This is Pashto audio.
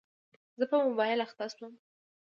زه په موبایل اخته شوم.